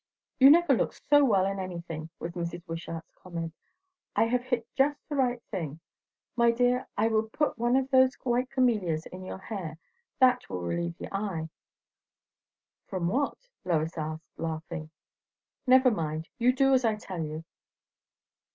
"You never looked so well in anything," was Mrs. Wishart's comment. "I have hit just the right thing. My dear, I would put one of those white camellias in your hair that will relieve the eye." "From what?" Lois asked, laughing. "Never mind; you do as I tell you."